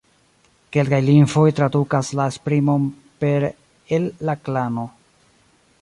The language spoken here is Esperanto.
Kelkaj lingvoj tradukas la esprimon per "el la klano".